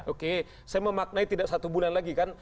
oke saya memaknai tidak satu bulan lagi kan